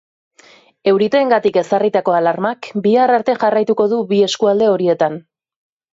Euriteengatik ezarritako alarmak bihar arte jarraituko du bi eskualde horietan.